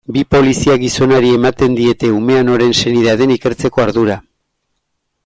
Bi polizia-gizonari ematen diete umea noren senidea den ikertzeko ardura.